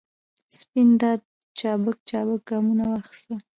سپین دادا چابک چابک ګامونه واخستل.